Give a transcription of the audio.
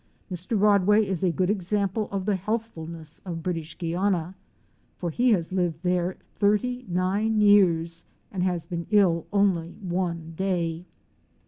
Mr. Rodway is a good example of the healthfulness of British Guiana, for he has lived there thirty nine years and has been ill only one day.